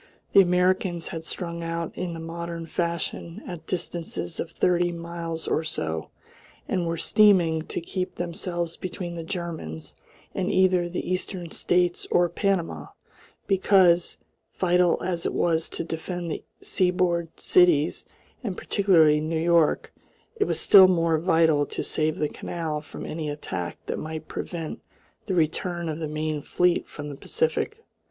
The Americans had strung out in the modern fashion at distances of thirty miles or so, and were steaming to keep themselves between the Germans and either the eastern states or Panama; because, vital as it was to defend the seaboard cities and particularly New York, it was still more vital to save the canal from any attack that might prevent the return of the main fleet from the Pacific.